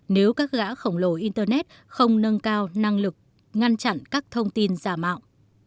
nếu các gã khổng lồ internet không nâng cao năng lực ngăn chặn các thông tin giả mạo